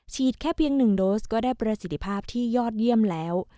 แค่เพียง๑โดสก็ได้ประสิทธิภาพที่ยอดเยี่ยมแล้ว